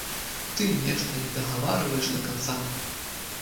Ты нешта не дагаварваеш да канца?